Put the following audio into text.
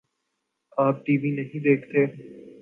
آ پ T V نہیں دیکھتے؟